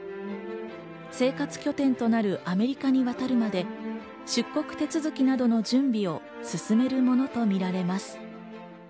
生活拠点となるアメリカに渡るまで、出国手続きなどの準備を進めるものとみられます。